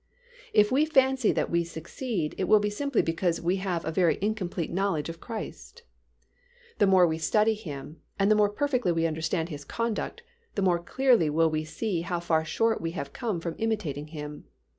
If we fancy that we succeed it will be simply because we have a very incomplete knowledge of Christ. The more we study Him, and the more perfectly we understand His conduct, the more clearly will we see how far short we have come from imitating Him.